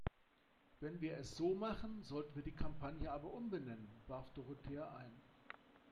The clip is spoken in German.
Wenn wir es so machen, sollten wir die Kampagne aber umbenennen, warf Dorothea ein.